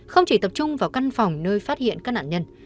không chỉ tập trung vào căn phòng nơi phát hiện các nạn nhân